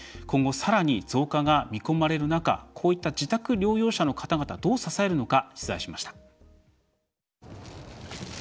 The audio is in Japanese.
今後、さらに増加が見込まれる中こういった自宅療養者の方々どう支えるのか、取材しました。